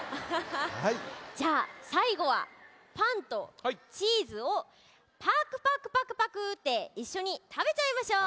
じゃあさいごはパンとチーズをパクパクパクパクっていっしょにたべちゃいましょう！